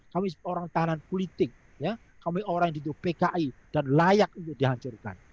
kami orang tahanan politik ya kami orang yang dihidupi pki dan layak itu dihancurkan